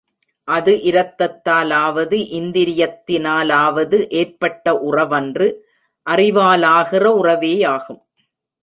அது இரத்தத்தாலாவது இந்திரியத்தினாலாவது ஏற்பட்ட உறவன்று, அறிவாலாகிற உறவேயாகும்.